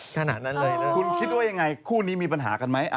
คุณคิดว่ายังไงคู่นี้มีปัญหากันไหม